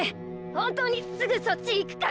本当にすぐそっち行くからッ！